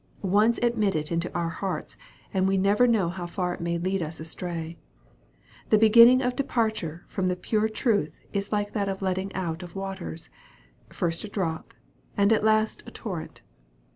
Once admit it into our hearts, and we never know how far it may lead us astray. The beginning of departure from the pure truth is like the letting out of waters first a drop, and at last a torrent.